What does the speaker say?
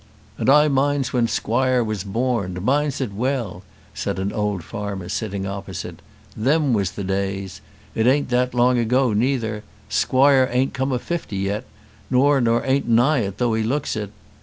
"And I minds when squoire was borned; minds it well," said an old farmer sitting opposite. "Them was the days! It an't that long ago neither. Squoire a'nt come o' fifty yet; no, nor an't nigh it, though he looks it.